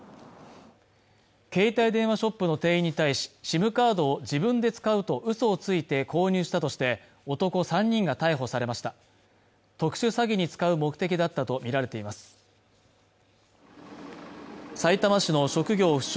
携帯電話ショップの店員に対しＳＩＭカードを自分で使うとうそをついて購入したとして男３人が逮捕されました特殊詐欺に使う目的だったとみられていますさいたま市の職業不詳